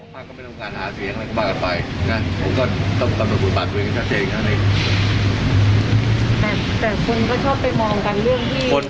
แปลว่าเป็นแต่ต่อไปแล้วที่เกิดขึ้นทั้งสองท่านลงในเวลาใกล้เคียงกัน